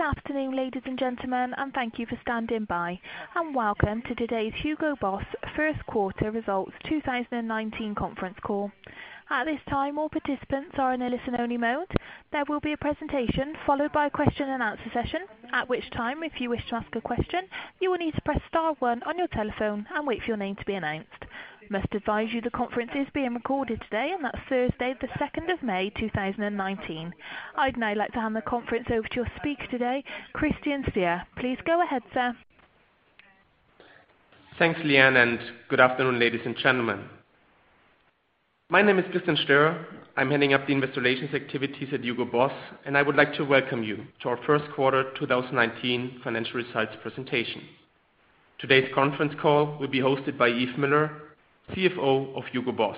Good afternoon, ladies and gentlemen, thank you for standing by, welcome to today's Hugo Boss first quarter results 2019 conference call. At this time, all participants are in a listen-only mode. There will be a presentation followed by a question-and-answer session. At which time, if you wish to ask a question, you will need to press star one on your telephone and wait for your name to be announced. Must advise you the conference is being recorded today on Thursday, the 2nd of May 2019. I'd now like to hand the conference over to your speaker today, Christian Müller. Please go ahead, sir. Thanks, Leanne, good afternoon, ladies and gentlemen. My name is Christian Stöhr. I'm heading up the Investor Relations activities at Hugo Boss, I would like to welcome you to our first quarter 2019 financial results presentation. Today's conference call will be hosted by Yves Müller, CFO of Hugo Boss.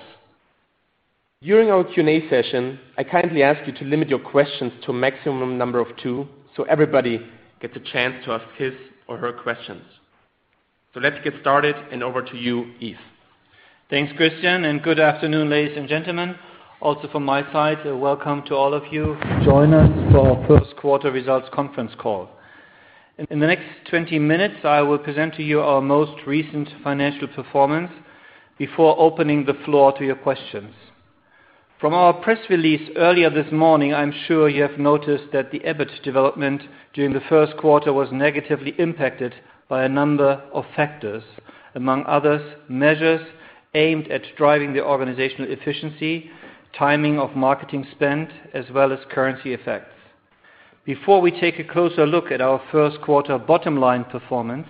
During our Q&A session, I kindly ask you to limit your questions to a maximum number of two, everybody gets a chance to ask his or her questions. Let's get started, over to you, Yves. Thanks, Christian, good afternoon, ladies and gentlemen. Also from my side, welcome to all of you join us for our first quarter results conference call. In the next 20 minutes, I will present to you our most recent financial performance before opening the floor to your questions. From our press release earlier this morning, I'm sure you have noticed that the EBIT development during the first quarter was negatively impacted by a number of factors. Among others, measures aimed at driving the organizational efficiency, timing of marketing spend, as well as currency effects. Before we take a closer look at our first quarter bottom line performance,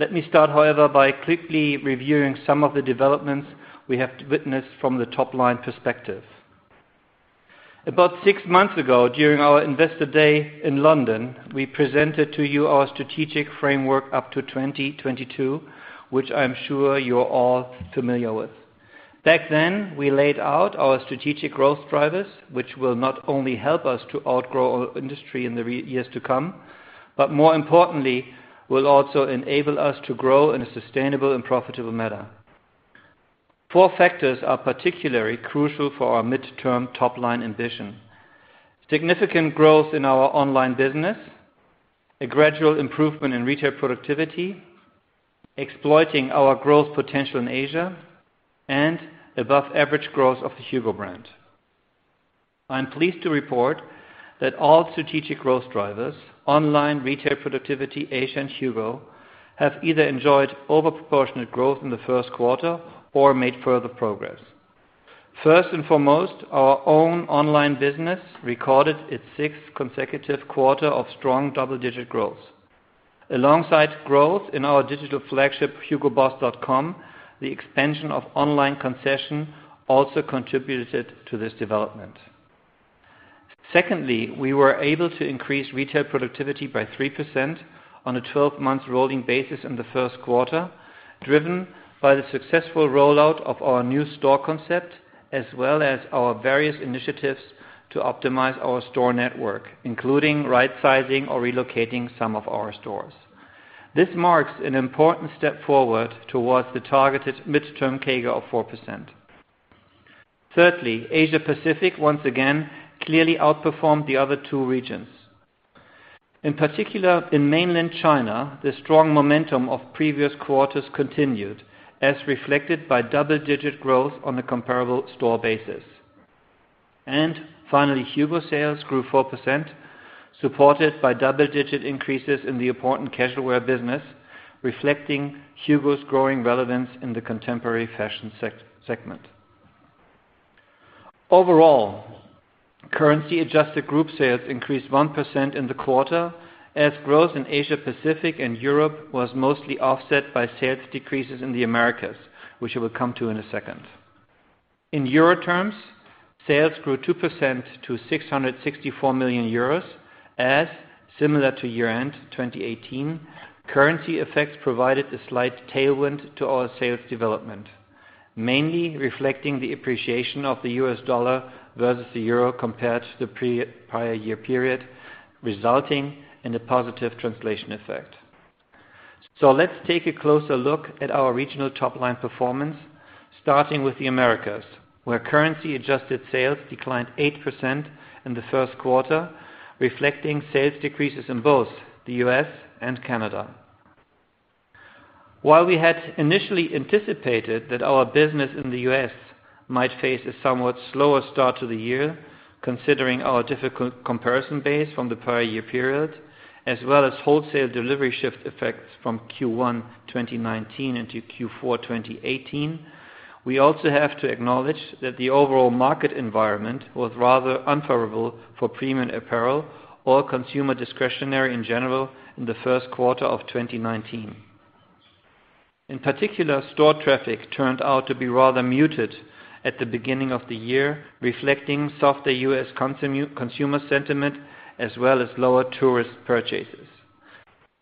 let me start, however, by quickly reviewing some of the developments we have witnessed from the top-line perspective. About six months ago, during our Investor Day in London, we presented to you our strategic framework up to 2022, which I am sure you're all familiar with. Back then, we laid out our strategic growth drivers, which will not only help us to outgrow our industry in the years to come, but more importantly, will also enable us to grow in a sustainable and profitable manner. Four factors are particularly crucial for our midterm top-line ambition. Significant growth in our online business, a gradual improvement in retail productivity, exploiting our growth potential in Asia, and above-average growth of the HUGO brand. I'm pleased to report that all strategic growth drivers, online retail productivity, Asia, and HUGO, have either enjoyed overproportionate growth in the first quarter or made further progress. First and foremost, our own online business recorded its sixth consecutive quarter of strong double-digit growth. Alongside growth in our digital flagship, hugoboss.com, the expansion of online concession also contributed to this development. Secondly, we were able to increase retail productivity by 3% on a 12-month rolling basis in the first quarter, driven by the successful rollout of our new store concept, as well as our various initiatives to optimize our store network, including rightsizing or relocating some of our stores. This marks an important step forward towards the targeted midterm CAGR of 4%. Thirdly, Asia Pacific, once again, clearly outperformed the other two regions. In particular, in mainland China, the strong momentum of previous quarters continued, as reflected by double-digit growth on a comparable store basis. Finally, HUGO sales grew 4%, supported by double-digit increases in the important casual wear business, reflecting HUGO's growing relevance in the contemporary fashion segment. Overall, currency-adjusted group sales increased 1% in the quarter as growth in Asia Pacific and Europe was mostly offset by sales decreases in the Americas, which we will come to in a second. In EUR terms, sales grew 2% to 664 million euros as similar to year-end 2018, currency effects provided a slight tailwind to our sales development. Mainly reflecting the appreciation of the U.S. dollar versus the euro compared to the prior year period, resulting in a positive translation effect. Let's take a closer look at our regional top-line performance, starting with the Americas, where currency-adjusted sales declined 8% in the first quarter, reflecting sales decreases in both the U.S. and Canada. While we had initially anticipated that our business in the U.S. might face a somewhat slower start to the year, considering our difficult comparison base from the prior year period, as well as wholesale delivery shift effects from Q1 2019 into Q4 2018, we also have to acknowledge that the overall market environment was rather unfavorable for premium apparel or consumer discretionary in general in the first quarter of 2019. In particular, store traffic turned out to be rather muted at the beginning of the year, reflecting softer U.S. consumer sentiment as well as lower tourist purchases.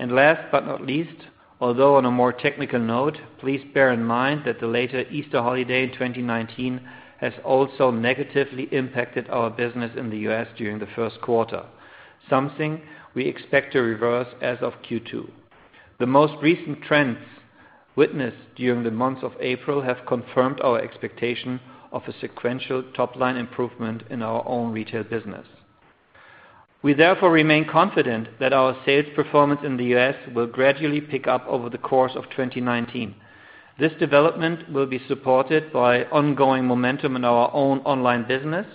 Last but not least, although on a more technical note, please bear in mind that the later Easter holiday in 2019 has also negatively impacted our business in the U.S. during the first quarter, something we expect to reverse as of Q2. The most recent trends witnessed during the month of April have confirmed our expectation of a sequential top-line improvement in our own retail business. We therefore remain confident that our sales performance in the U.S. will gradually pick up over the course of 2019. This development will be supported by ongoing momentum in our own online business,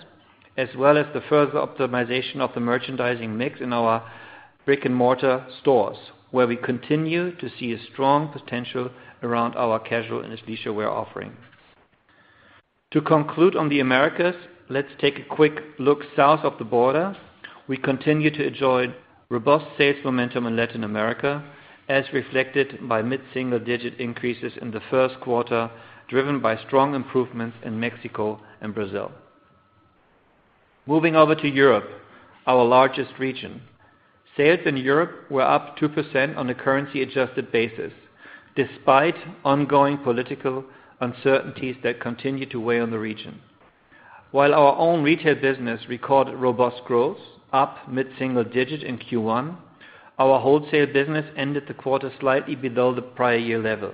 as well as the further optimization of the merchandising mix in our brick-and-mortar stores, where we continue to see a strong potential around our casual and leisure wear offering. To conclude on the Americas, let's take a quick look south of the border. We continue to enjoy robust sales momentum in Latin America, as reflected by mid-single-digit increases in the first quarter, driven by strong improvements in Mexico and Brazil. Moving over to Europe, our largest region. Sales in Europe were up 2% on a currency-adjusted basis, despite ongoing political uncertainties that continue to weigh on the region. While our own retail business recorded robust growth, up mid-single digits in Q1, our wholesale business ended the quarter slightly below the prior year level,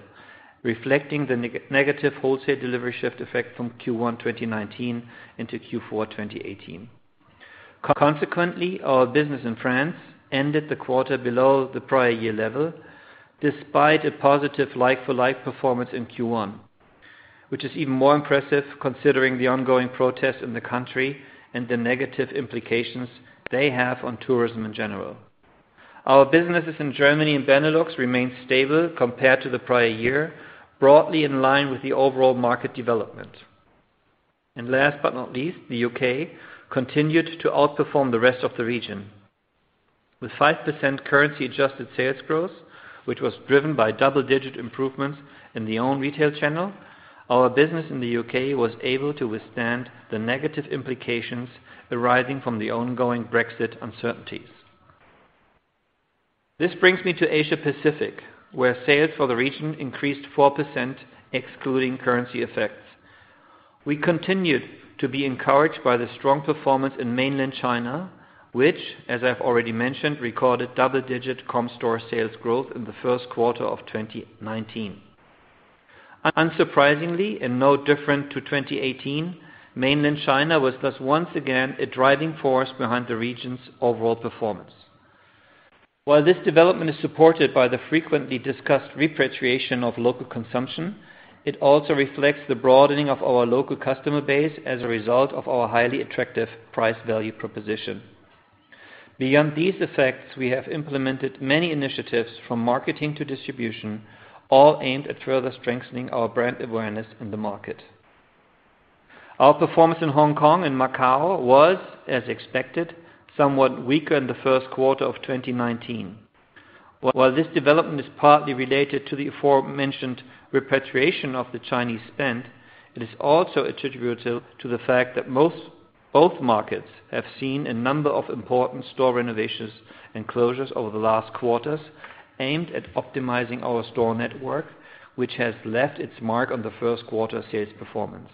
reflecting the negative wholesale delivery shift effect from Q1 2019 into Q4 2018. Consequently, our business in France ended the quarter below the prior year level, despite a positive like-for-like performance in Q1, which is even more impressive considering the ongoing protests in the country and the negative implications they have on tourism in general. Our businesses in Germany and Benelux remain stable compared to the prior year, broadly in line with the overall market development. Last but not least, the U.K. continued to outperform the rest of the region. With 5% currency-adjusted sales growth, which was driven by double-digit improvements in the own retail channel, our business in the U.K. was able to withstand the negative implications arising from the ongoing Brexit uncertainties. This brings me to Asia Pacific, where sales for the region increased 4%, excluding currency effects. We continued to be encouraged by the strong performance in mainland China, which, as I've already mentioned, recorded double-digit comp store sales growth in the first quarter of 2019. Unsurprisingly, and no different to 2018, mainland China was thus once again a driving force behind the region's overall performance. While this development is supported by the frequently discussed repatriation of local consumption, it also reflects the broadening of our local customer base as a result of our highly attractive price-value proposition. Beyond these effects, we have implemented many initiatives from marketing to distribution, all aimed at further strengthening our brand awareness in the market. Our performance in Hong Kong and Macau was, as expected, somewhat weaker in the first quarter of 2019. While this development is partly related to the aforementioned repatriation of the Chinese spend, it is also attributable to the fact that both markets have seen a number of important store renovations and closures over the last quarters aimed at optimizing our store network, which has left its mark on the first quarter sales performance.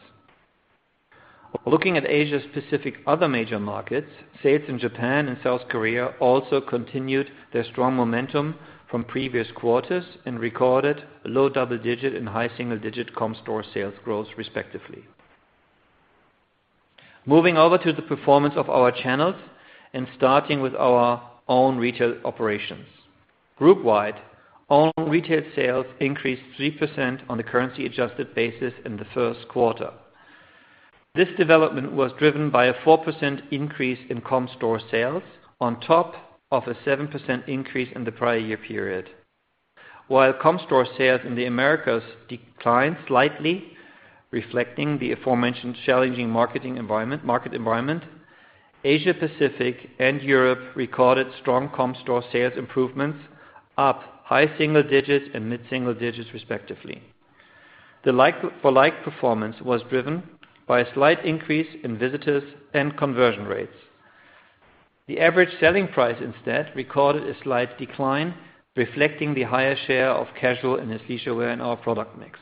Looking at Asia's Pacific other major markets, sales in Japan and South Korea also continued their strong momentum from previous quarters and recorded low double-digit and high single-digit comp store sales growth, respectively. Moving over to the performance of our channels and starting with our own retail operations. Groupwide, own retail sales increased 3% on a currency-adjusted basis in the first quarter. This development was driven by a 4% increase in comp store sales on top of a 7% increase in the prior year period. While comp store sales in the Americas declined slightly, reflecting the aforementioned challenging market environment, Asia Pacific and Europe recorded strong comp store sales improvements, up high single digits and mid-single digits, respectively. The like-for-like performance was driven by a slight increase in visitors and conversion rates. The average selling price instead recorded a slight decline, reflecting the higher share of casual and leisure wear in our product mix.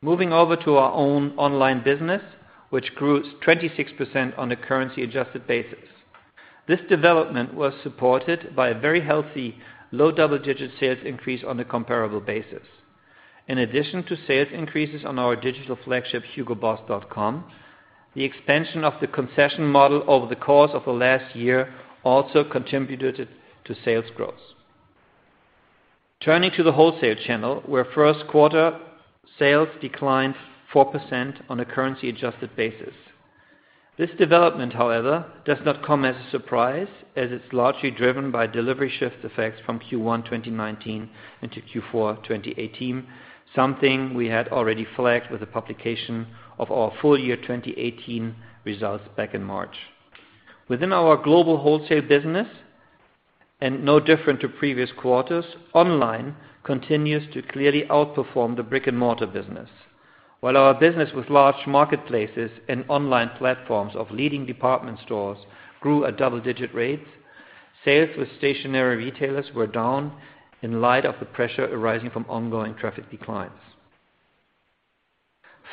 Moving over to our own online business, which grew 26% on a currency-adjusted basis. This development was supported by a very healthy low double-digit sales increase on a comparable basis. In addition to sales increases on our digital flagship, hugoboss.com, the expansion of the concession model over the course of the last year also contributed to sales growth. Turning to the wholesale channel, where first quarter sales declined 4% on a currency-adjusted basis. This development, however, does not come as a surprise as it's largely driven by delivery shift effects from Q1 2019 into Q4 2018, something we had already flagged with the publication of our full year 2018 results back in March. Within our global wholesale business, no different to previous quarters, online continues to clearly outperform the brick-and-mortar business. While our business with large marketplaces and online platforms of leading department stores grew at double-digit rates, sales with stationary retailers were down in light of the pressure arising from ongoing traffic declines.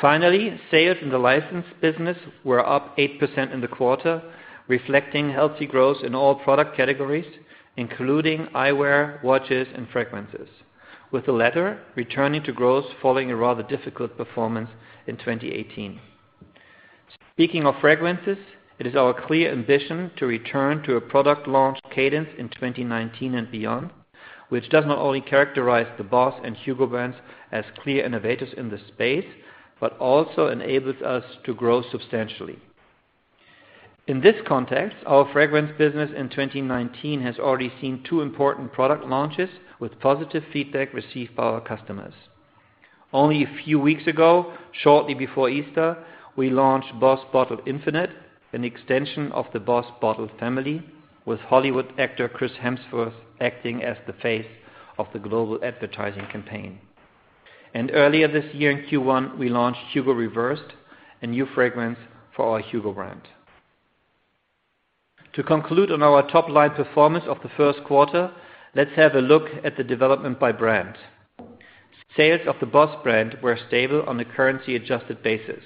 Finally, sales in the licensed business were up 8% in the quarter, reflecting healthy growth in all product categories, including eyewear, watches, and fragrances, with the latter returning to growth following a rather difficult performance in 2018. Speaking of fragrances, it is our clear ambition to return to a product launch cadence in 2019 and beyond, which does not only characterize the BOSS and HUGO brands as clear innovators in this space, but also enables us to grow substantially. In this context, our fragrance business in 2019 has already seen two important product launches with positive feedback received by our customers. Only a few weeks ago, shortly before Easter, we launched BOSS BOTTLED Infinite, an extension of the BOSS BOTTLED family with Hollywood actor Chris Hemsworth acting as the face of the global advertising campaign. Earlier this year in Q1, we launched HUGO Reversed, a new fragrance for our HUGO brand. To conclude on our top-line performance of the first quarter, let's have a look at the development by brand. Sales of the BOSS brand were stable on a currency-adjusted basis.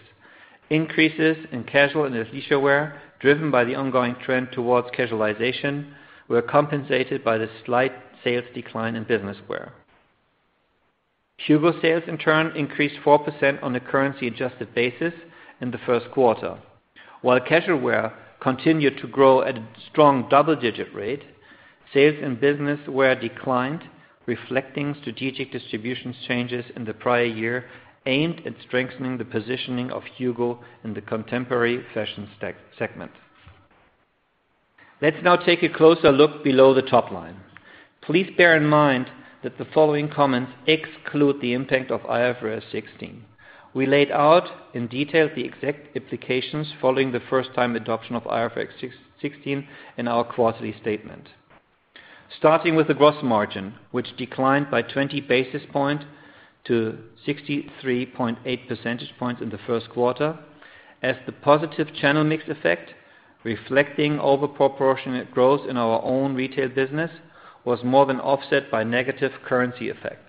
Increases in casual and leisure wear, driven by the ongoing trend towards casualization, were compensated by the slight sales decline in business wear. HUGO sales, in turn, increased 4% on a currency-adjusted basis in the first quarter. While casual wear continued to grow at a strong double-digit rate, sales and business wear declined, reflecting strategic distribution changes in the prior year aimed at strengthening the positioning of HUGO in the contemporary fashion segment. Let's now take a closer look below the top line. Please bear in mind that the following comments exclude the impact of IFRS 16. We laid out in detail the exact implications following the first-time adoption of IFRS 16 in our quarterly statement. Starting with the gross margin, which declined by 20 basis points to 63.8 percentage points in the first quarter as the positive channel mix effect, reflecting overproportionate growth in our own retail business, was more than offset by negative currency effects.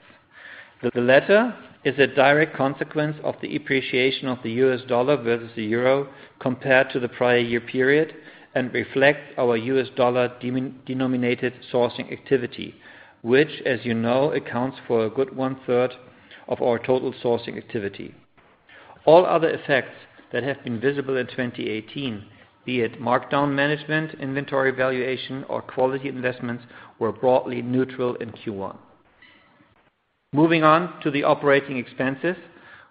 The latter is a direct consequence of the appreciation of the U.S. dollar versus the euro compared to the prior year period and reflects our U.S. dollar-denominated sourcing activity, which as you know, accounts for a good one-third of our total sourcing activity. All other effects that have been visible in 2018, be it markdown management, inventory valuation, or quality investments, were broadly neutral in Q1. Moving on to the operating expenses,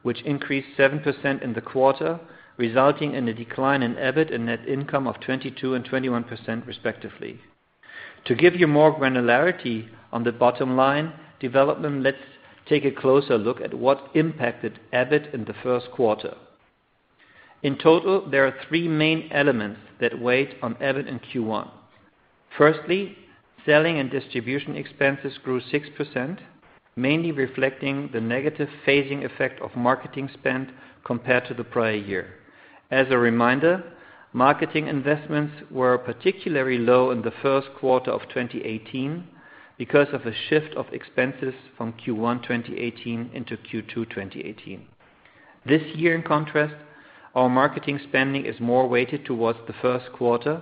which increased 7% in the quarter, resulting in a decline in EBIT and net income of 22 and 21%, respectively. To give you more granularity on the bottom line development, let's take a closer look at what impacted EBIT in the first quarter. In total, there are three main elements that weighed on EBIT in Q1. Firstly, selling and distribution expenses grew 6%, mainly reflecting the negative phasing effect of marketing spend compared to the prior year. As a reminder, marketing investments were particularly low in the first quarter of 2018 because of a shift of expenses from Q1 2018 into Q2 2018. This year, in contrast, our marketing spending is more weighted towards the first quarter,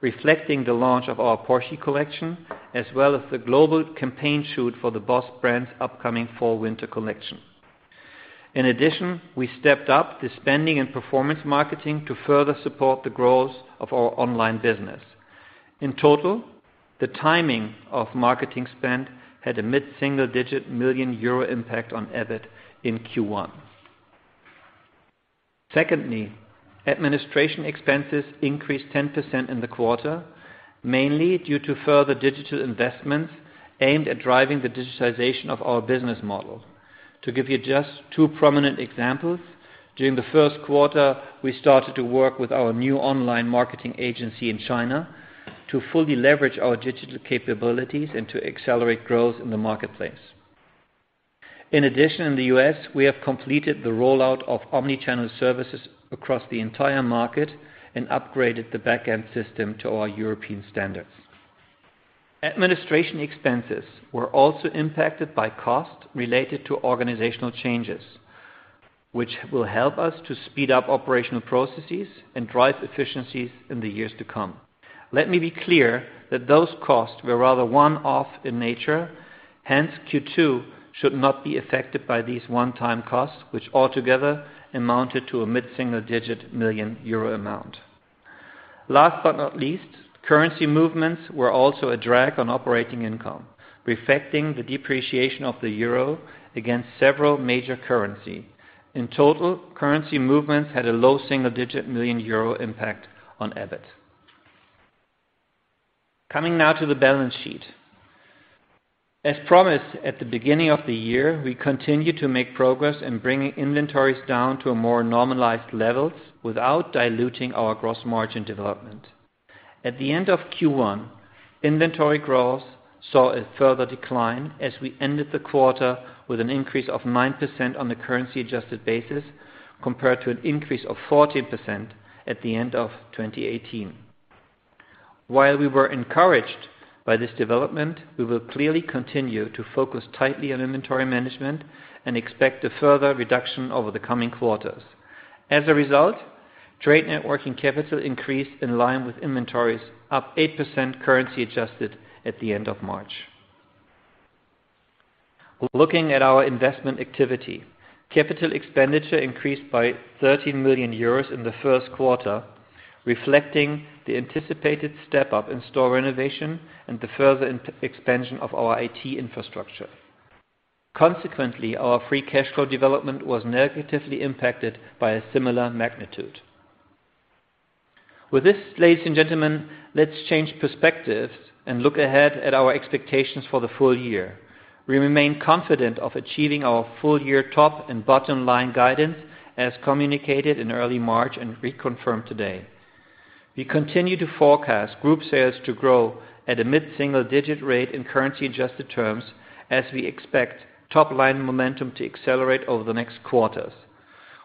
reflecting the launch of our Porsche collection, as well as the global campaign shoot for the BOSS brand's upcoming fall/winter collection. In addition, we stepped up the spending and performance marketing to further support the growth of our online business. In total, the timing of marketing spend had a mid-single-digit million EUR impact on EBIT in Q1. Secondly, administration expenses increased 10% in the quarter, mainly due to further digital investments aimed at driving the digitization of our business model. To give you just two prominent examples, during the first quarter, we started to work with our new online marketing agency in China to fully leverage our digital capabilities and to accelerate growth in the marketplace. In addition, in the U.S., we have completed the rollout of omni-channel services across the entire market and upgraded the back-end system to our European standards. Administration expenses were also impacted by cost related to organizational changes, which will help us to speed up operational processes and drive efficiencies in the years to come. Let me be clear that those costs were rather one-off in nature. Hence, Q2 should not be affected by these one-time costs, which altogether amounted to a mid-single-digit million EUR amount. Last but not least, currency movements were also a drag on operating income, reflecting the depreciation of the euro against several major currency. In total, currency movements had a low single-digit million EUR impact on EBIT. Coming now to the balance sheet. As promised at the beginning of the year, we continue to make progress in bringing inventories down to a more normalized level without diluting our gross margin development. At the end of Q1, inventory growth saw a further decline as we ended the quarter with an increase of 9% on the currency-adjusted basis compared to an increase of 14% at the end of 2018. While we were encouraged by this development, we will clearly continue to focus tightly on inventory management and expect a further reduction over the coming quarters. As a result, trade net working capital increased in line with inventories, up 8% currency adjusted at the end of March. Looking at our investment activity, capital expenditure increased by 13 million euros in the first quarter, reflecting the anticipated step up in store renovation and the further expansion of our IT infrastructure. Consequently, our free cash flow development was negatively impacted by a similar magnitude. With this, ladies and gentlemen, let's change perspectives and look ahead at our expectations for the full year. We remain confident of achieving our full year top and bottom line guidance, as communicated in early March and reconfirmed today. We continue to forecast group sales to grow at a mid-single digit rate in currency adjusted terms as we expect top line momentum to accelerate over the next quarters.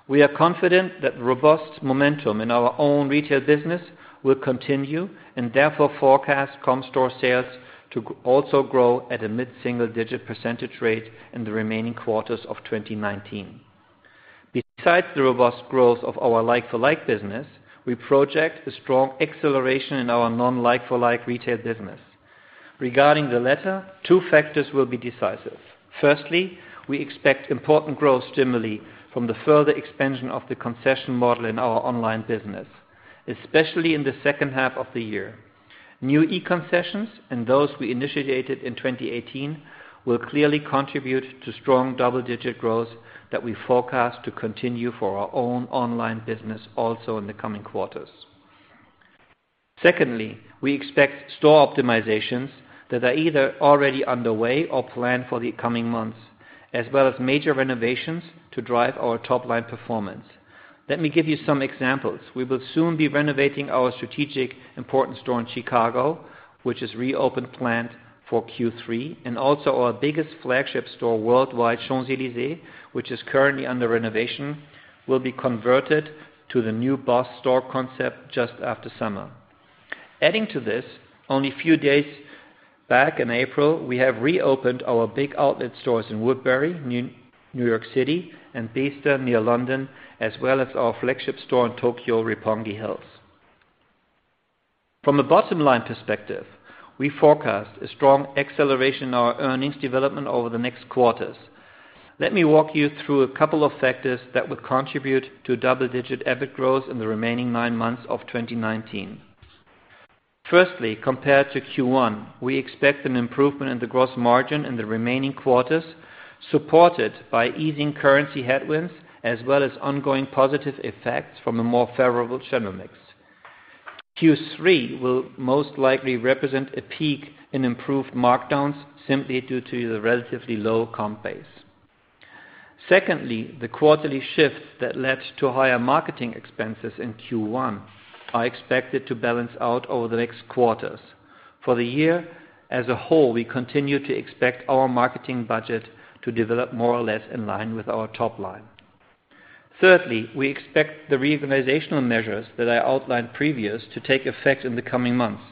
We are confident that robust momentum in our own retail business will continue and therefore forecast comp store sales to also grow at a mid-single digit percentage rate in the remaining quarters of 2019. Besides the robust growth of our like-for-like business, we project a strong acceleration in our non like-for-like retail business. Regarding the latter, two factors will be decisive. Firstly, we expect important growth stimuli from the further expansion of the concession model in our online business, especially in the second half of the year. New e-concessions and those we initiated in 2018 will clearly contribute to strong double-digit growth that we forecast to continue for our own online business also in the coming quarters. Secondly, we expect store optimizations that are either already underway or planned for the coming months, as well as major renovations to drive our top line performance. Let me give you some examples. We will soon be renovating our strategic important store in Chicago, which is reopen planned for Q3, and also our biggest flagship store worldwide, Champs-Élysées, which is currently under renovation, will be converted to the new BOSS store concept just after summer. Adding to this, only a few days back in April, we have reopened our big outlet stores in Woodbury, New York City, and Bicester, near London, as well as our flagship store in Tokyo, Roppongi Hills. From a bottom-line perspective, we forecast a strong acceleration in our earnings development over the next quarters. Let me walk you through a couple of factors that will contribute to double-digit EBIT growth in the remaining nine months of 2019. Firstly, compared to Q1, we expect an improvement in the gross margin in the remaining quarters, supported by easing currency headwinds as well as ongoing positive effects from a more favorable general mix. Q3 will most likely represent a peak in improved markdowns simply due to the relatively low comp base. Secondly, the quarterly shifts that led to higher marketing expenses in Q1 are expected to balance out over the next quarters. For the year as a whole, we continue to expect our marketing budget to develop more or less in line with our top line. Thirdly, we expect the reorganizational measures that I outlined previous to take effect in the coming months.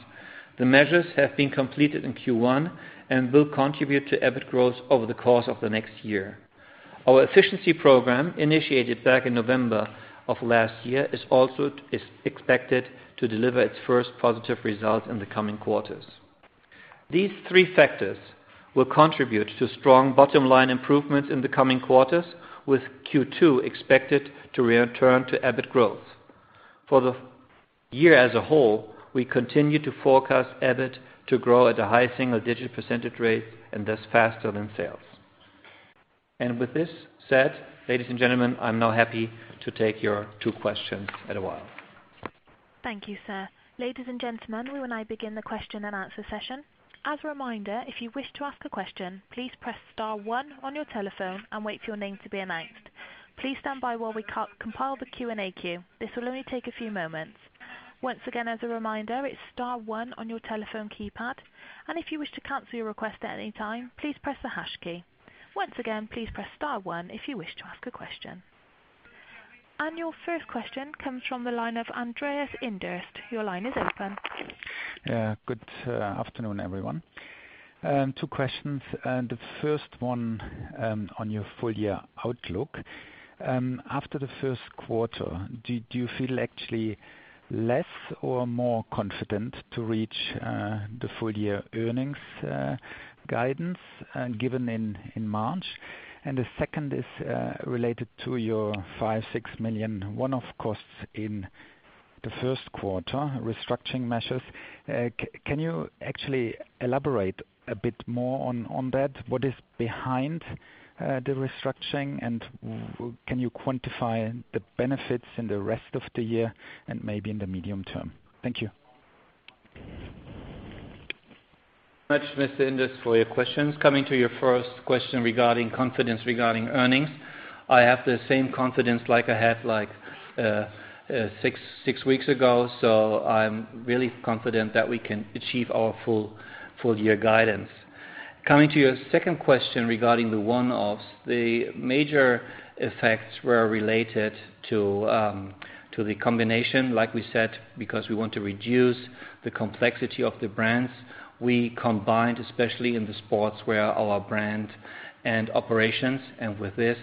The measures have been completed in Q1 and will contribute to EBIT growth over the course of the next year. Our efficiency program, initiated back in November of last year, is expected to deliver its first positive results in the coming quarters. These three factors will contribute to strong bottom-line improvements in the coming quarters, with Q2 expected to return to EBIT growth. For the year as a whole, we continue to forecast EBIT to grow at a high single-digit % rate and thus faster than sales. With this said, ladies and gentlemen, I'm now happy to take your two questions at a while. Thank you, sir. Ladies and gentlemen, we will now begin the question and answer session. As a reminder, if you wish to ask a question, please press star one on your telephone and wait for your name to be announced. Please stand by while we compile the Q&A queue. This will only take a few moments. Once again, as a reminder, it's star one on your telephone keypad, and if you wish to cancel your request at any time, please press the hash key. Once again, please press star one if you wish to ask a question. Your first question comes from the line of Andreas Inderst. Your line is open. Good afternoon, everyone. Two questions. The first one on your full year outlook. After the first quarter, do you feel actually less or more confident to reach the full year earnings guidance given in March? The second is related to your 5 million-6 million one-off costs in the first quarter restructuring measures. Can you actually elaborate a bit more on that? What is behind the restructuring, and can you quantify the benefits in the rest of the year and maybe in the medium term? Thank you. Much, Mr. Inderst, for your questions. Coming to your first question regarding confidence regarding earnings. I have the same confidence like I had six weeks ago. I'm really confident that we can achieve our full year guidance. Coming to your second question regarding the one-offs. The major effects were related to the combination, like we said, because we want to reduce the complexity of the brands. We combined, especially in the sports where our brand and operations, and with this,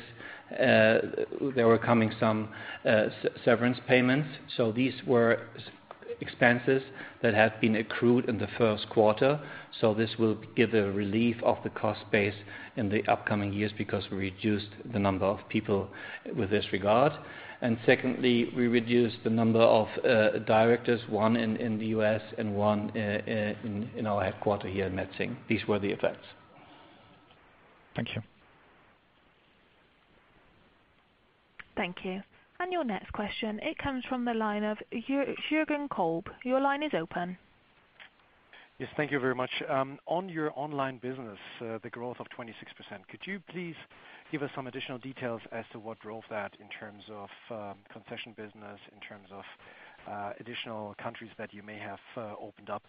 there were coming some severance payments. These were expenses that had been accrued in the first quarter. This will give a relief of the cost base in the upcoming years because we reduced the number of people with this regard. Secondly, we reduced the number of directors, one in the U.S. and one in our headquarter here in Metzingen. These were the effects. Thank you. Thank you. Your next question, it comes from the line of Juergen Kolb. Your line is open. Yes, thank you very much. On your online business, the growth of 26%, could you please give us some additional details as to what drove that in terms of concession business, in terms of additional countries that you may have opened up?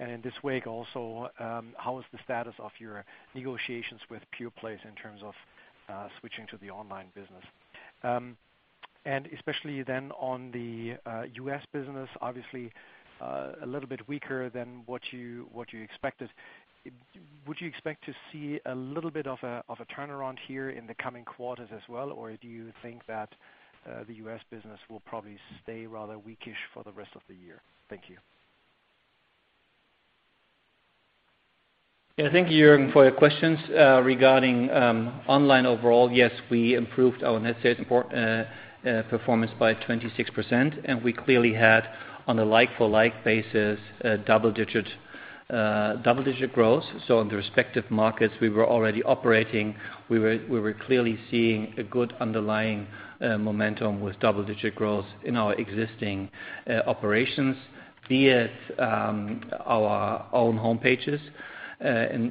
In this wake also, how is the status of your negotiations with Pure Play in terms of switching to the online business? Especially then on the U.S. business, obviously, a little bit weaker than what you expected. Would you expect to see a little bit of a turnaround here in the coming quarters as well, or do you think that the U.S. business will probably stay rather weakish for the rest of the year? Thank you. Yeah, thank you, Juergen, for your questions. Regarding online overall, yes, we improved our net sales performance by 26% and we clearly had, on a like-for-like basis, double-digit growth. In the respective markets we were already operating, we were clearly seeing a good underlying momentum with double-digit growth in our existing operations via our own homepages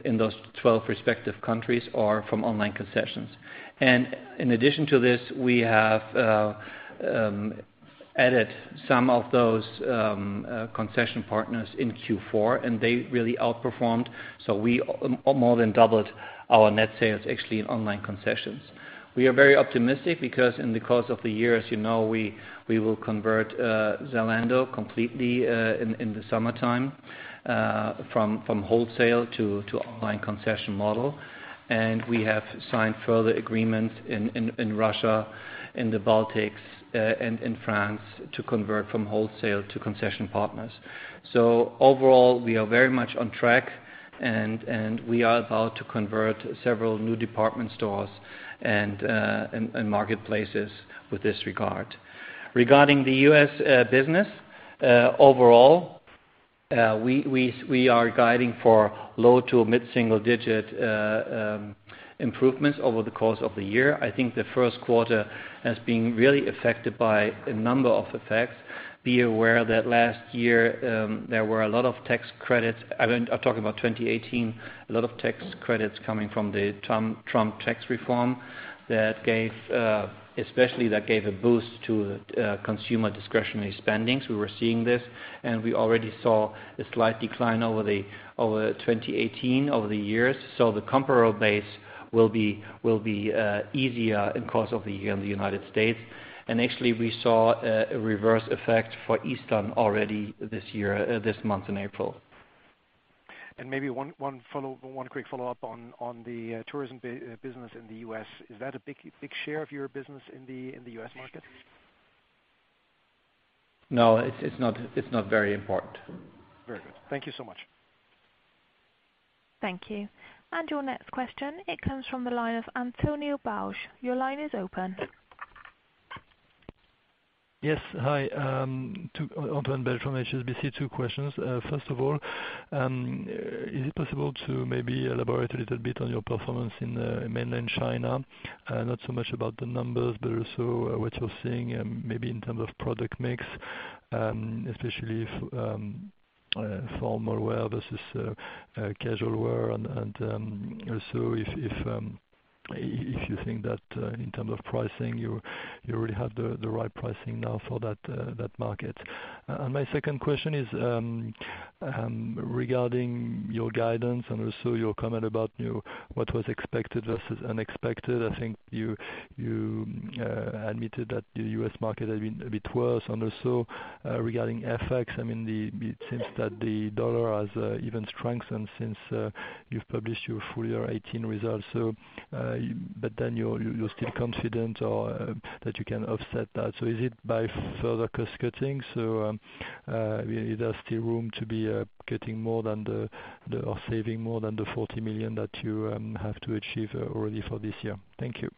in those 12 respective countries or from online concessions. In addition to this, we have added some of those concession partners in Q4 and they really outperformed. We more than doubled our net sales actually in online concessions. We are very optimistic because in the course of the year, as you know, we will convert Zalando completely in the summertime from wholesale to online concession model. We have signed further agreements in Russia, in the Baltics and in France to convert from wholesale to concession partners. Overall, we are very much on track and we are about to convert several new department stores and marketplaces with this regard. Regarding the U.S. business, overall, we are guiding for low to mid-single-digit improvements over the course of the year. I think the first quarter has been really affected by a number of effects. Be aware that last year there were a lot of tax credits. I am talking about 2018. A lot of tax credits coming from the Trump tax reform especially that gave a boost to consumer discretionary spending. We were seeing this, and we already saw a slight decline over 2018 over the years. The comparable base will be easier in course of the year in the U.S. Actually, we saw a reverse effect for Easter already this month in April. Maybe one quick follow-up on the tourism business in the U.S. Is that a big share of your business in the U.S. market? No, it is not very important. Very good. Thank you so much. Thank you. Your next question, it comes from the line of Antoine Belge. Your line is open. Yes, hi. Antoine Belge from HSBC. Two questions. First of all, is it possible to maybe elaborate a little bit on your performance in Mainland China? Not so much about the numbers, but also what you're seeing maybe in terms of product mix, especially formal wear versus casual wear and also if you think that in terms of pricing, you already have the right pricing now for that market. My second question is regarding your guidance and also your comment about what was expected versus unexpected. I think you admitted that the U.S. market had been a bit worse and also regarding FX, it seems that the dollar has even strengthened since you've published your full year 2018 results. You're still confident or that you can offset that. Is it by further cost cutting? There's still room to be cutting more or saving more than the 40 million that you have to achieve already for this year. Thank you.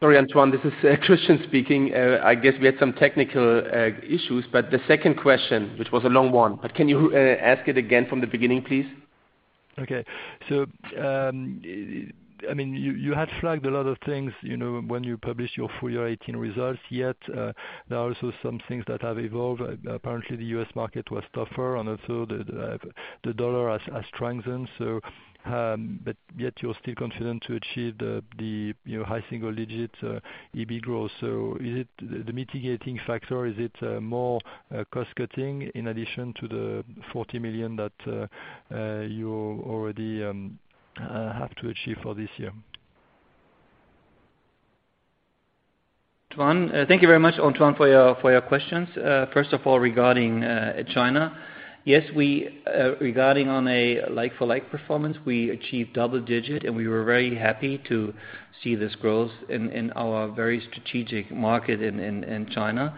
Sorry, Antoine, this is Christian speaking. I guess we had some technical issues, the second question, which was a long one, can you ask it again from the beginning, please? You had flagged a lot of things, when you published your full year 2018 results, there are also some things that have evolved. Apparently, the U.S. market was tougher, the dollar has strengthened. Yet you're still confident to achieve the high single-digit EBIT growth. Is it the mitigating factor? Is it more cost cutting in addition to the 40 million that you already have to achieve for this year? Thank you very much, Antoine, for your questions. First of all, regarding China. Regarding on a like-for-like performance, we achieved double-digit, we were very happy to see this growth in our very strategic market in China.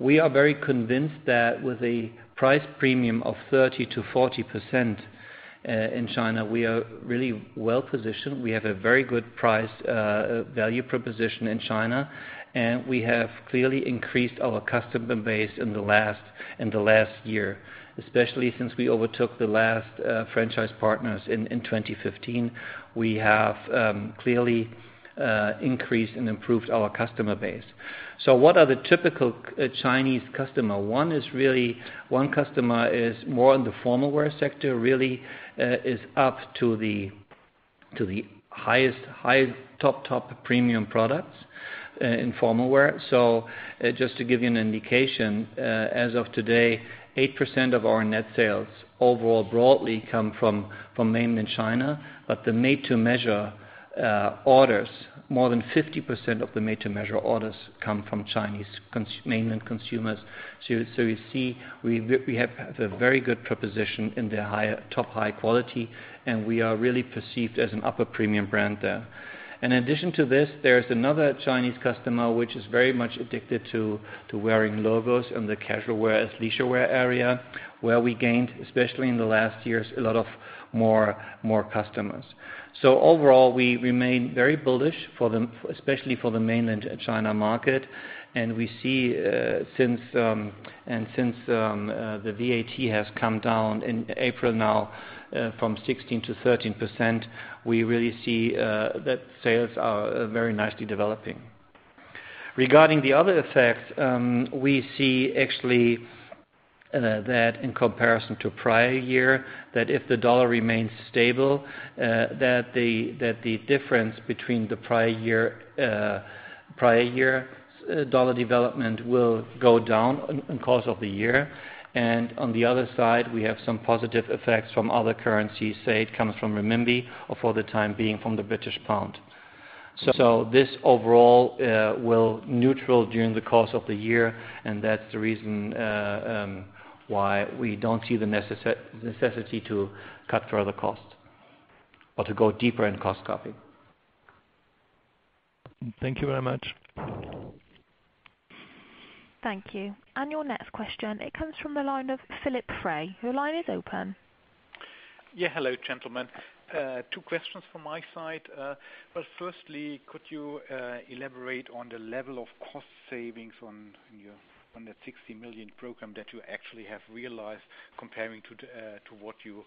We are very convinced that with a price premium of 30%-40% in China, we are really well-positioned. We have a very good price value proposition in China, we have clearly increased our customer base in the last year, especially since we overtook the last franchise partners in 2015. We have clearly increased and improved our customer base. What are the typical Chinese customer? One customer is more in the formal wear sector, really is up to the highest top premium products in formal wear. Just to give you an indication, as of today, 8% of our net sales overall broadly come from mainland China, but more than 50% of the made-to-measure orders come from Chinese mainland consumers. You see, we have a very good proposition in the top high quality, we are really perceived as an upper premium brand there. In addition to this, there is another Chinese customer which is very much addicted to wearing logos in the casual wear, leisure wear area, where we gained, especially in the last years, a lot of more customers. Overall, we remain very bullish, especially for the mainland China market. Since the VAT has come down in April now from 16%-13%, we really see that sales are very nicely developing. Regarding the other effects, we see actually that in comparison to prior year, that if the dollar remains stable that the difference between the prior year's dollar development will go down in the course of the year. On the other side, we have some positive effects from other currencies. Say, it comes from renminbi or for the time being from the British pound. This overall will neutral during the course of the year, that's the reason why we don't see the necessity to cut further costs or to go deeper in cost-cutting. Thank you very much. Thank you. Your next question, it comes from the line of Philip Frey. Your line is open. Hello, gentlemen. Two questions from my side. Well, firstly, could you elaborate on the level of cost savings on the 60 million program that you actually have realized comparing to what you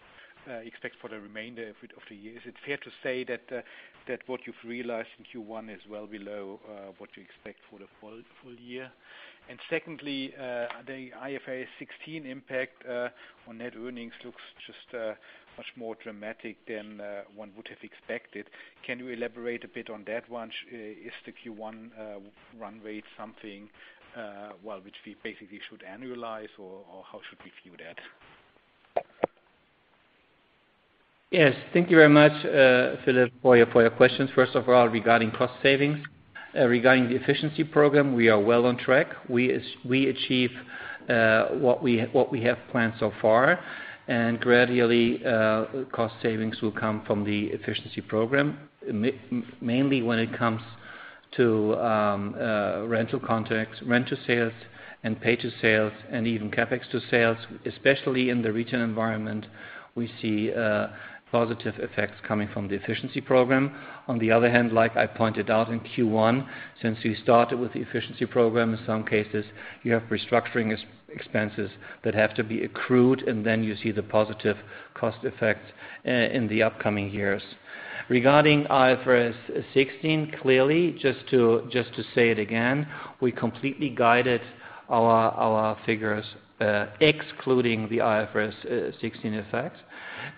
expect for the remainder of the year? Is it fair to say that what you've realized in Q1 is well below what you expect for the full year? Secondly, the IFRS 16 impact on net earnings looks just much more dramatic than one would have expected. Can you elaborate a bit on that one? Is the Q1 run rate something which we basically should annualize, or how should we view that? Thank you very much, Philip, for your questions. First of all, regarding cost savings. Regarding the efficiency program, we are well on track. We achieved what we have planned so far. Gradually, cost savings will come from the efficiency program, mainly when it comes to rental contracts, rent to sales, and pay to sales, and even CapEx to sales. Especially in the retail environment, we see positive effects coming from the efficiency program. On the other hand, like I pointed out in Q1, since we started with the efficiency program, in some cases, you have restructuring expenses that have to be accrued. Then you see the positive cost effects in the upcoming years. Regarding IFRS 16, clearly, just to say it again, we completely guided our figures excluding the IFRS 16 effects.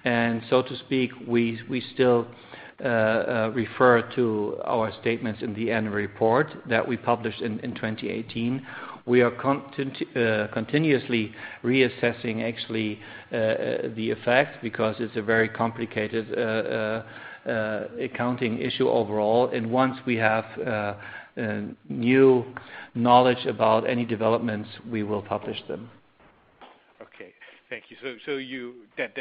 to speak, we still refer to our statements in the annual report that we published in 2018. We are continuously reassessing actually the effect because it's a very complicated accounting issue overall. Once we have new knowledge about any developments, we will publish them. Okay. Thank you. That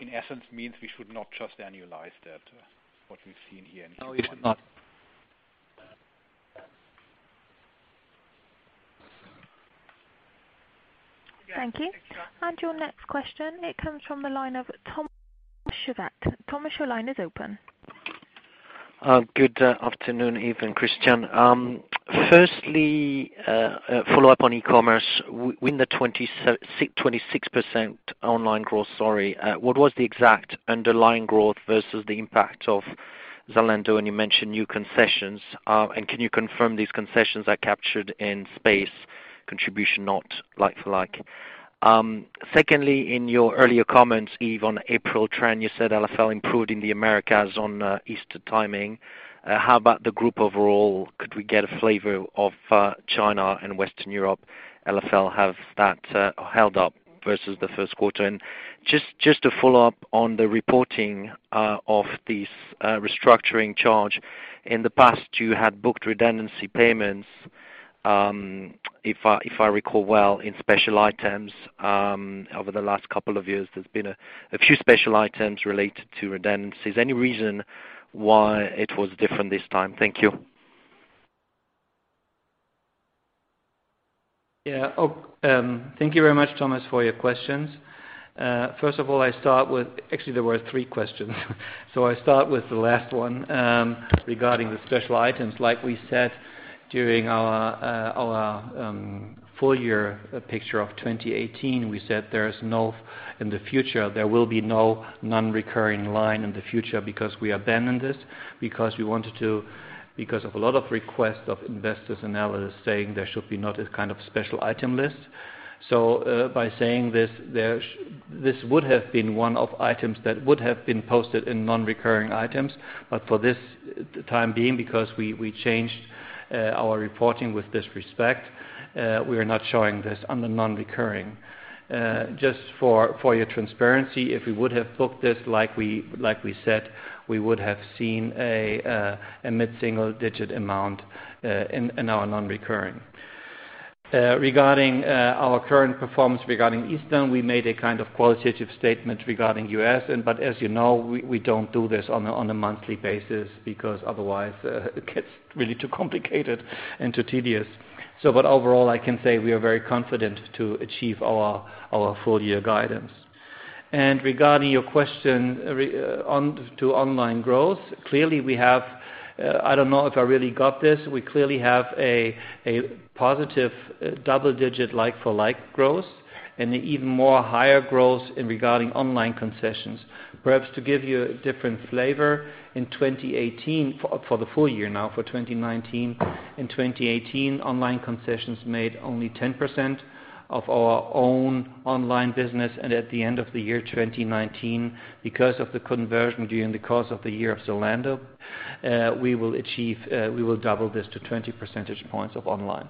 in essence means we should not just annualize that, what we've seen here in Q1. No, we should not. Thank you. Your next question, it comes from the line of Tom Chauvet. Thomas, your line is open. Good afternoon, Yves and Christian. A follow-up on e-commerce. With the 26% online growth, what was the exact underlying growth versus the impact of Zalando? You mentioned new concessions. Can you confirm these concessions are captured in space contribution, not like for like? In your earlier comments, Yves, on April trend, you said LFL improved in the Americas on Easter timing. How about the group overall? Could we get a flavor of China and Western Europe LFL? Have that held up versus the first quarter? Just to follow up on the reporting of this restructuring charge. In the past, you had booked redundancy payments, if I recall well, in special items over the last couple of years. There's been a few special items related to redundancies. Any reason why it was different this time? Thank you. Thank you very much, Thomas, for your questions. Actually, there were three questions. I start with the last one regarding the special items, like we said during our full year picture of 2018. We said in the future, there will be no non-recurring line in the future because we abandoned this, because of a lot of requests of investors and analysts saying there should be not a kind of special item list. By saying this would have been one of items that would have been posted in non-recurring items. For this time being, because we changed our reporting with this respect, we are not showing this on the non-recurring. Just for your transparency, if we would have booked this like we said, we would have seen a mid-single digit amount in our non-recurring. Regarding our current performance regarding Easter, we made a kind of qualitative statement regarding U.S. As you know, we don't do this on a monthly basis because otherwise it gets really too complicated and too tedious. Overall, I can say we are very confident to achieve our full year guidance. Regarding your question on to online growth, I don't know if I really got this. We clearly have a positive double-digit like-for-like growth and even more higher growth in regarding online concessions. Perhaps to give you a different flavor for the full year now, for 2019. In 2018, online concessions made only 10% of our own online business. At the end of the year 2019, because of the conversion during the course of the year of Zalando, we will double this to 20 percentage points of online.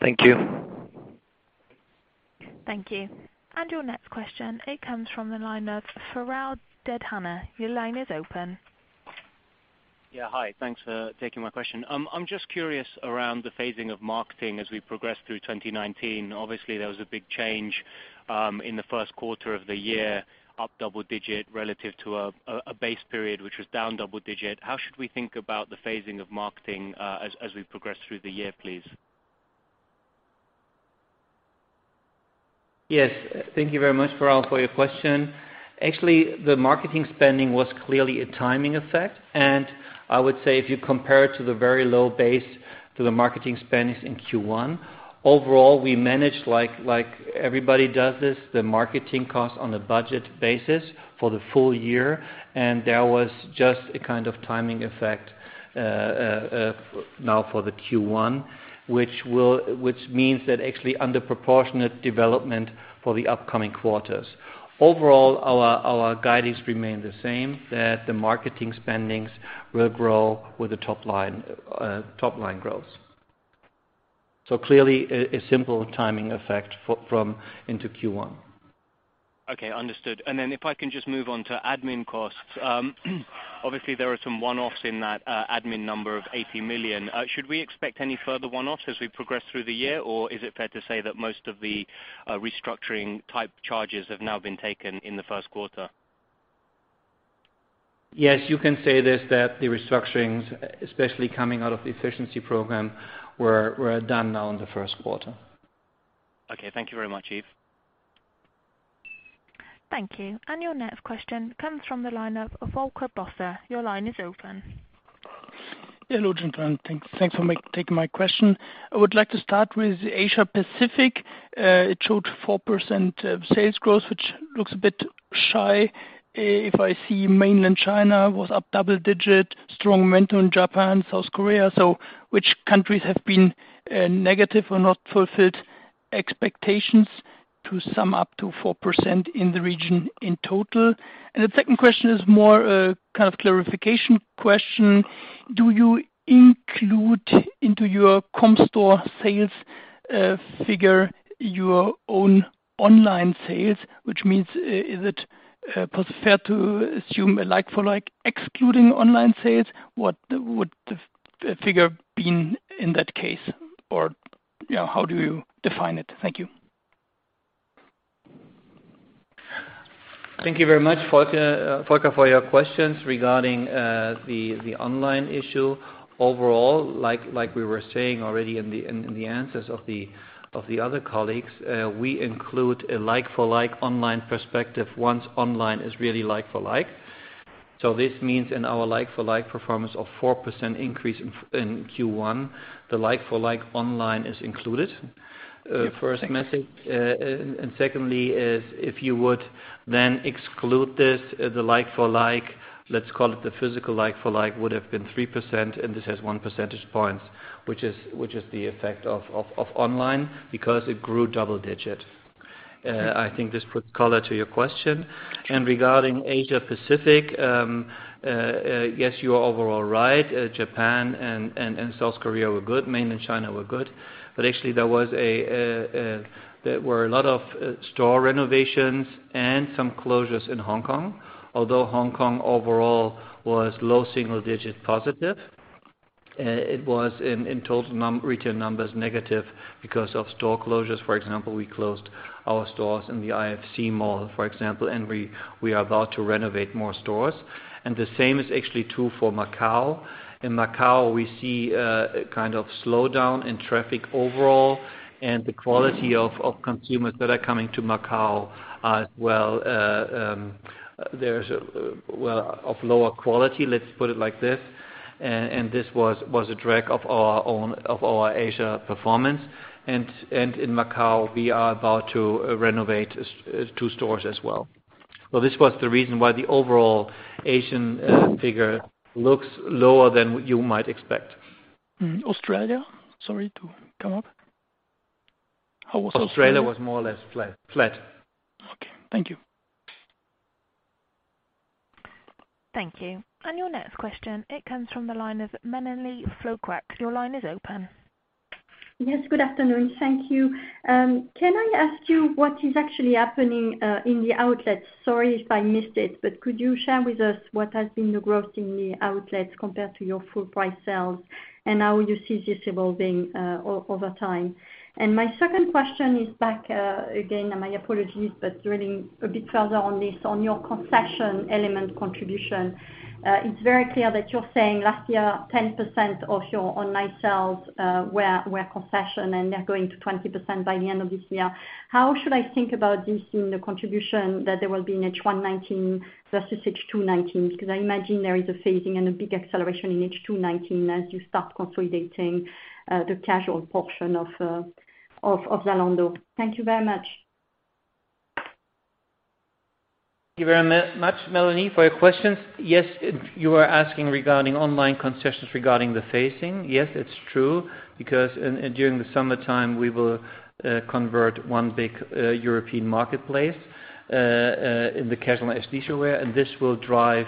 Thank you. Thank you. Your next question, it comes from the line of Piral Dadhania. Your line is open. Hi. Thanks for taking my question. I am just curious around the phasing of marketing as we progress through 2019. Obviously, there was a big change in the first quarter of the year, up double-digit relative to a base period, which was down double-digit. How should we think about the phasing of marketing as we progress through the year, please? Yes. Thank you very much, Piral, for your question. Actually, the marketing spending was clearly a timing effect. I would say if you compare it to the very low base to the marketing spendings in Q1, overall, we managed like everybody does this, the marketing cost on a budget basis for the full year. There was just a kind of timing effect now for the Q1, which means that actually under proportionate development for the upcoming quarters. Overall, our guidings remain the same, that the marketing spendings will grow with the top-line growth. Clearly, a simple timing effect into Q1. Okay. Understood. If I can just move on to admin costs. Obviously, there are some one-offs in that admin number of 80 million. Should we expect any further one-offs as we progress through the year? Or is it fair to say that most of the restructuring type charges have now been taken in the first quarter? Yes, you can say this, that the restructurings, especially coming out of the efficiency program, were done now in the first quarter. Okay. Thank you very much, Yves. Thank you. Your next question comes from the line of Volker Bosse. Your line is open. Hello, gentlemen. Thanks for taking my question. I would like to start with Asia Pacific. It showed 4% of sales growth, which looks a bit shy. If I see mainland China was up double digit, strong momentum in Japan, South Korea. Which countries have been negative or not fulfilled expectations to sum up to 4% in the region in total? The second question is more a kind of clarification question. Do you include into your comp store sales figure your own online sales? Which means is it fair to assume a like-for-like excluding online sales? What would the figure been in that case? Or how do you define it? Thank you. Thank you very much, Volker, for your questions regarding the online issue. Overall, like we were saying already in the answers of the other colleagues, we include a like-for-like online perspective once online is really like-for-like. This means in our like-for-like performance of 4% increase in Q1, the like-for-like online is included. Yeah. Thank you. Secondly is if you would then exclude this, the like-for-like, let's call it the physical like-for-like would have been 3% and this has one percentage point, which is the effect of online because it grew double-digit. I think this puts color to your question. Regarding Asia Pacific, yes, you are overall right. Japan and South Korea were good. Mainland China was good. Actually, there were a lot of store renovations and some closures in Hong Kong, although Hong Kong overall was low single-digit positive. It was in total retail numbers negative because of store closures. For example, we closed our stores in the IFC mall, for example, and we are about to renovate more stores. The same is actually true for Macau. In Macau, we see a kind of slowdown in traffic overall, and the quality of consumers that are coming to Macau as well. They're of lower quality, let's put it like this. This was a drag of our Asia performance. In Macau, we are about to renovate two stores as well. This was the reason why the overall Asian figure looks lower than what you might expect. Australia? Sorry to cut up. How was Australia? Australia was more or less flat. Okay. Thank you. Thank you. Your next question, it comes from the line of Melanie Flouquet. Your line is open. Yes, good afternoon. Thank you. Can I ask you what is actually happening in the outlets? Sorry if I missed it, but could you share with us what has been the growth in the outlets compared to your full price sales? How you see this evolving over time? My second question is back again, my apologies, but drilling a bit further on this, on your concession element contribution. It is very clear that you are saying last year, 10% of your online sales were concession and they are going to 20% by the end of this year. How should I think about this in the contribution that there will be in H1 2019 versus H2 2019? Because I imagine there is a phasing and a big acceleration in H2 2019 as you start consolidating the casual portion of Zalando. Thank you very much. Thank you very much, Melanie, for your questions. Yes. You are asking regarding online concessions regarding the phasing. Yes, it is true, because during the summertime, we will convert one big European marketplace in the casual and leisure wear. This will drive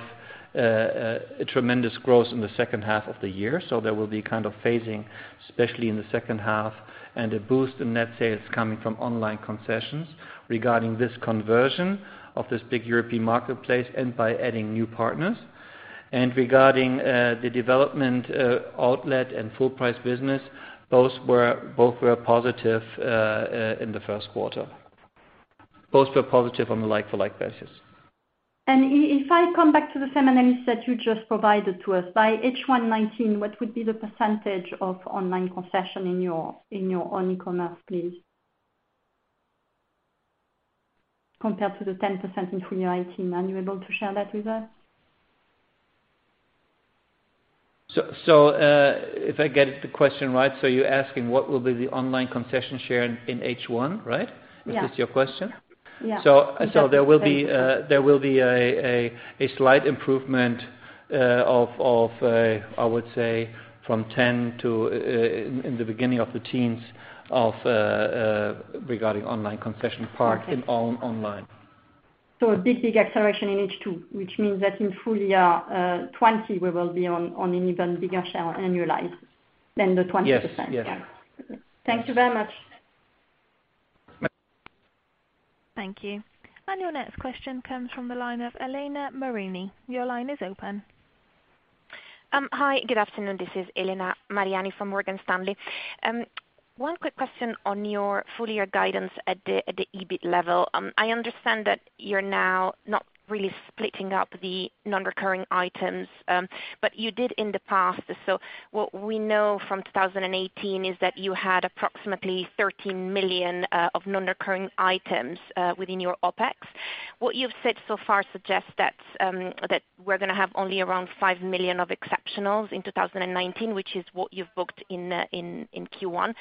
a tremendous growth in the second half of the year. There will be kind of phasing, especially in the second half, and a boost in net sales coming from online concessions regarding this conversion of this big European marketplace and by adding new partners. Regarding the development outlet and full price business, both were positive in the first quarter. Both were positive on the like-for-like basis. If I come back to the same analysis that you just provided to us. By H1 2019, what would be the % of online concession in your own e-commerce, please? Compared to the 10% in full year 2018. Are you able to share that with us? If I get the question right, you are asking what will be the online concession share in H1, right? Yeah. Is this your question? Yeah. There will be a slight improvement of, I would say, from 10 to in the beginning of the teens regarding online concession part in online. A big acceleration in H2, which means that in full year 2020, we will be on an even bigger share annualize than the 20%. Yes. Thank you very much. Thank you. Your next question comes from the line of Elena Mariani. Your line is open. Hi, good afternoon. This is Elena Mariani from Morgan Stanley. One quick question on your full year guidance at the EBIT level. I understand that you're now not really splitting up the non-recurring items, but you did in the past. What we know from 2018 is that you had approximately 13 million of non-recurring items within your OpEx. What you've said so far suggests that we're going to have only around 5 million of exceptionals in 2019, which is what you've booked in Q1.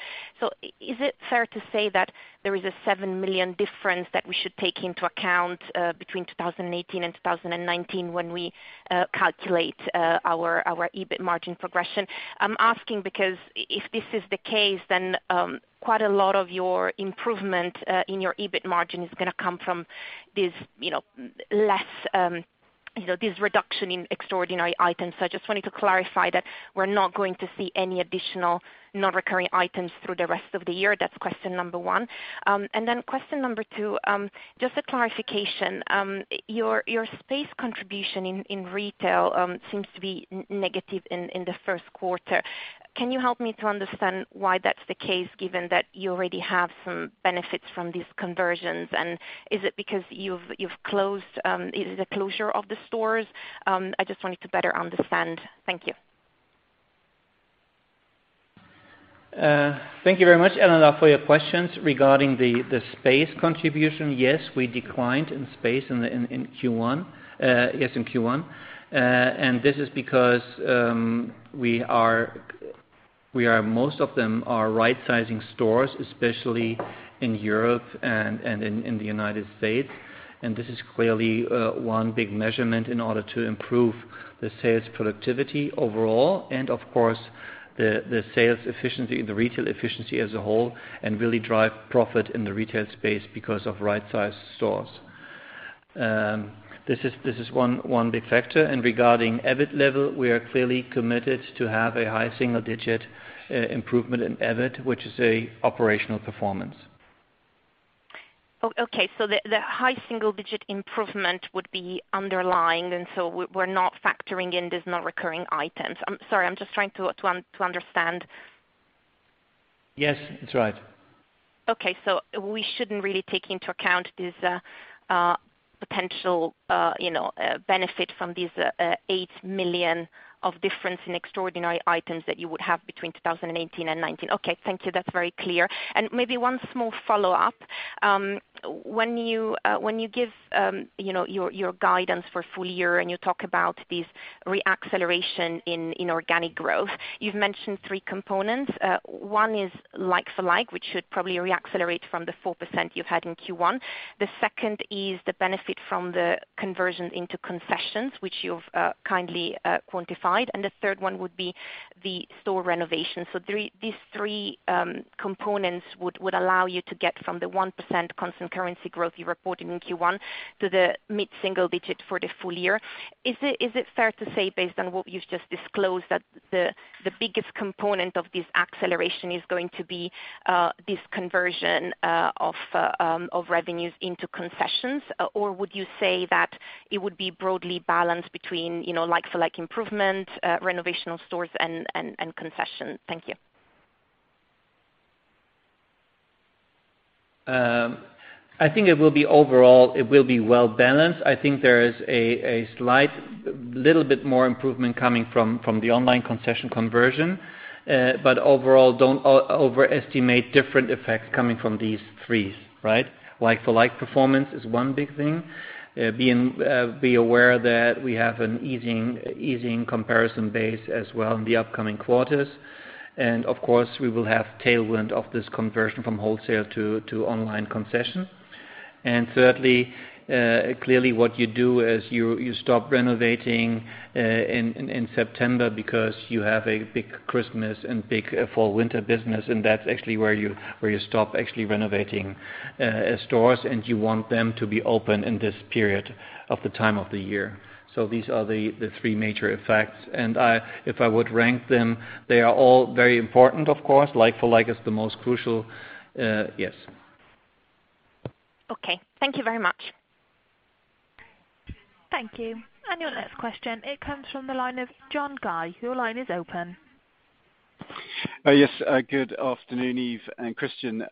Is it fair to say that there is a 7 million difference that we should take into account between 2018 and 2019 when we calculate our EBIT margin progression? I'm asking because if this is the case, then quite a lot of your improvement in your EBIT margin is going to come from this reduction in extraordinary items. I just wanted to clarify that we're not going to see any additional non-recurring items through the rest of the year. That's question number one. Question number two, just a clarification. Your space contribution in retail seems to be negative in the first quarter. Can you help me to understand why that's the case, given that you already have some benefits from these conversions? Is it a closure of the stores? I just wanted to better understand. Thank you. Thank you very much, Elena, for your questions. Regarding the space contribution, yes, we declined in space in Q1. This is because most of them are right-sizing stores, especially in Europe and in the United States. This is clearly one big measurement in order to improve the sales productivity overall. Of course, the sales efficiency, the retail efficiency as a whole, and really drive profit in the retail space because of right-sized stores. This is one big factor. Regarding EBIT level, we are clearly committed to have a high single digit improvement in EBIT, which is a operational performance. The high single-digit improvement would be underlying, and so we're not factoring in these non-recurring items. I'm sorry, I'm just trying to understand. Yes, that's right. We shouldn't really take into account this potential benefit from these eight million of difference in extraordinary items that you would have between 2018 and 2019. Okay, thank you. That's very clear. Maybe one small follow-up. When you give your guidance for a full year and you talk about this re-acceleration in organic growth, you've mentioned three components. One is like for like, which should probably re-accelerate from the 4% you've had in Q1. The second is the benefit from the conversion into concessions, which you've kindly quantified. The third one would be the store renovation. These three components would allow you to get from the 1% constant currency growth you reported in Q1 to the mid single digit for the full year. Is it fair to say, based on what you've just disclosed, that the biggest component of this acceleration is going to be this conversion of revenues into concessions? Would you say that it would be broadly balanced between like for like improvement, renovational stores and concession? Thank you. I think overall, it will be well-balanced. I think there is a slight, little bit more improvement coming from the online concession conversion. Overall, don't overestimate different effects coming from these threes. Like for like performance is one big thing. Be aware that we have an easing comparison base as well in the upcoming quarters. Of course, we will have tailwind of this conversion from wholesale to online concession. Thirdly, clearly what you do is you stop renovating in September because you have a big Christmas and big fall/winter business, and that's actually where you stop renovating stores, and you want them to be open in this period of the time of the year. So these are the three major effects. If I would rank them, they are all very important, of course. Like for like is the most crucial. Yes. Okay. Thank you very much. Thank you. Your next question, it comes from the line of John Guy. Your line is open. Yes. Good afternoon, Yves and Christian.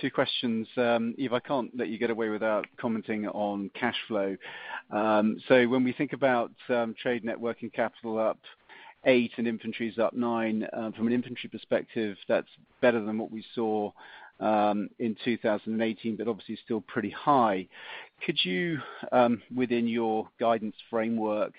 Two questions. Yves, I can't let you get away without commenting on cash flow. When we think about trade net working capital up eight and inventories up nine, from an inventory perspective, that's better than what we saw in 2018, but obviously still pretty high. Could you, within your guidance framework,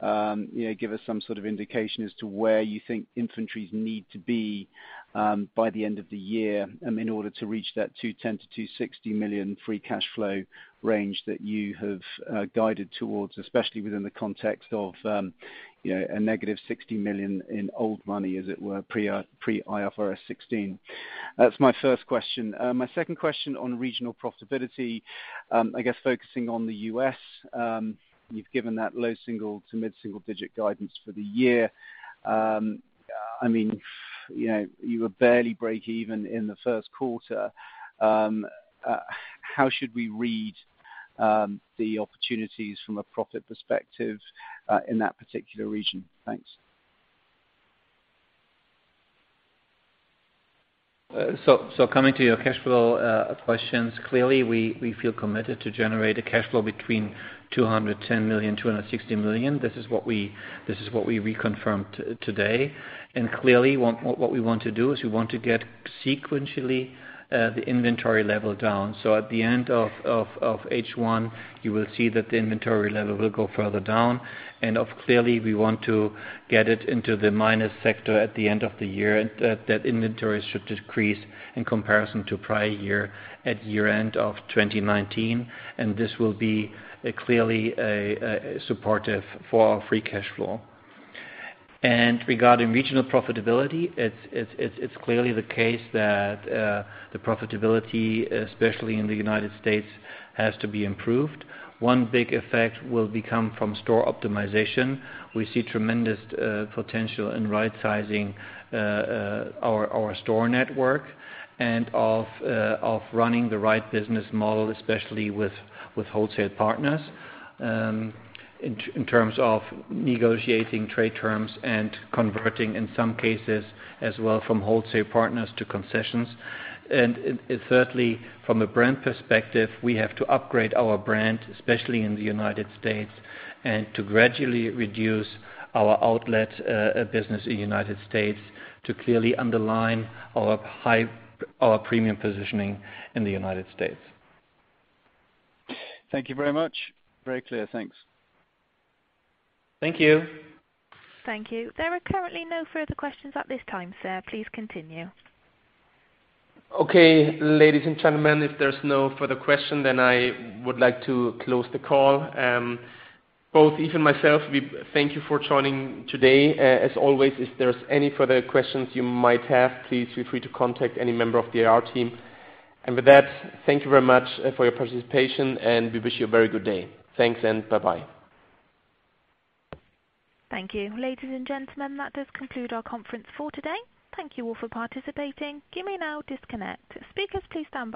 give us some sort of indication as to where you think inventories need to be by the end of the year in order to reach that 210 million-260 million free cash flow range that you have guided towards, especially within the context of a negative 60 million in old money, as it were, pre-IFRS 16? That's my first question. My second question on regional profitability, I guess focusing on the U.S., you've given that low single-digit to mid-single-digit guidance for the year. You were barely breakeven in the first quarter. How should we read the opportunities from a profit perspective in that particular region? Thanks. Coming to your cash flow questions, clearly, we feel committed to generate a cash flow between 210 million, 260 million. This is what we reconfirmed today. Clearly, what we want to do is we want to get sequentially, the inventory level down. At the end of H1, you will see that the inventory level will go further down. Clearly, we want to get it into the minor sector at the end of the year. That inventory should decrease in comparison to prior year at year-end of 2019. This will be clearly supportive for our free cash flow. Regarding regional profitability, it's clearly the case that the profitability, especially in the U.S., has to be improved. One big effect will become from store optimization. We see tremendous potential in right-sizing our store network and of running the right business model, especially with wholesale partners, in terms of negotiating trade terms and converting, in some cases as well from wholesale partners to concessions. Thirdly, from a brand perspective, we have to upgrade our brand, especially in the U.S., and to gradually reduce our outlet business in the U.S. to clearly underline our premium positioning in the U.S. Thank you very much. Very clear. Thanks. Thank you. Thank you. There are currently no further questions at this time, sir. Please continue. Okay, ladies and gentlemen, if there's no further question, I would like to close the call. Both Yves and myself, we thank you for joining today. As always, if there's any further questions you might have, please feel free to contact any member of the IR team. With that, thank you very much for your participation, and we wish you a very good day. Thanks and bye-bye. Thank you. Ladies and gentlemen, that does conclude our conference for today. Thank you all for participating. You may now disconnect. Speakers, please stand by